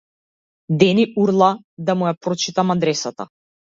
Дени урла да му ја прочитам адресата.